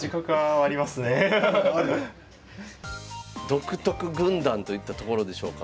独特軍団といったところでしょうか？